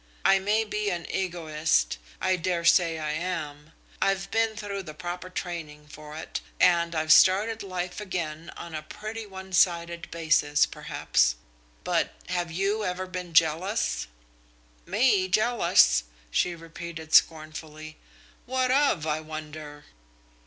I may be an egoist I dare say I am. I've been through the proper training for it, and I've started life again on a pretty one sided basis, perhaps. But have you ever been jealous?" "Me jealous!" she repeated scornfully. "What of, I wonder?"